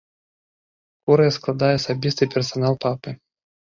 Курыя складае асабісты персанал папы.